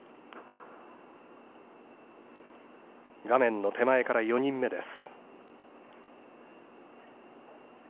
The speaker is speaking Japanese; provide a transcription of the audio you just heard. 画面の手前から４人目です。